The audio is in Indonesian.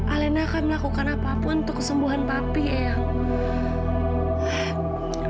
alena akan melakukan apa pun untuk kesembuhan papi ayah